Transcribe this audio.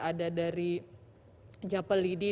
ada dari jappel liddy